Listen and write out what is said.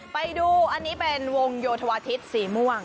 ไปดูอันนี้เป็นวงโยธวาทิศสีม่วง